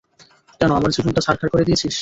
কেন আমার জীবনটা ছারখার করে দিয়েছিস?